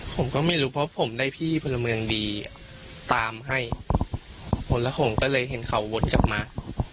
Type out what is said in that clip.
ผมก็ไม่รู้เพราะผมได้พี่พลเมืองดีตามให้วนแล้วผมก็เลยเห็นเขาวนกลับมา